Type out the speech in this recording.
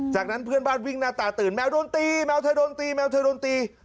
จากนั้นเพื่อนบ้านวิ่งหน้าตาตื่นแมวโดนตีแมวเธอโดนตีแมวเธอโดนตี